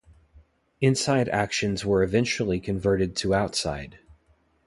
Inside actions were eventually converted to outside.